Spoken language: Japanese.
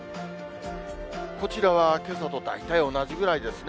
こちらはけさと大体同じくらいですね。